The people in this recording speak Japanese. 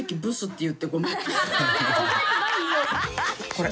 これ。